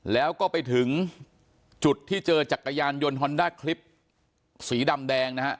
แล้วก็ไปถึงจุดที่เจอจักรยานยนต์ฮอนด้าคลิปสีดำแดงนะฮะ